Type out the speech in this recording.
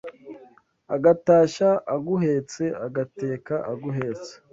Agatashya aguhetse Agateka aguhetse